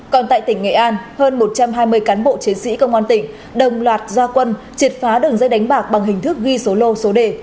còn tại tỉnh nghệ an hơn một trăm hai mươi cán bộ chiến sĩ công an tỉnh đồng loạt gia quân triệt phá đường dây đánh bạc bằng hình thức ghi số lô số đề